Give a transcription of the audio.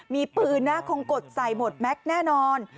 มีปืนนะคงกดใส่หมดแม็กซ์แน่นอน